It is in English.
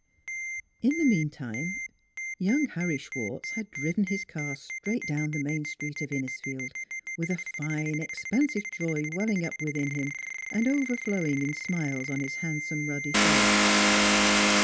In the meantime, young Harry Schwartz had driven his car straight down the main street of Innisfield with a fine, expansive joy welling up within him and overflowing in smiles on his handsome ruddy face.